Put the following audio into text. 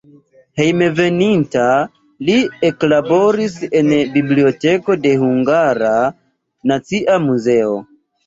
Hejmenveninta li eklaboris en biblioteko de Hungara Nacia Muzeo.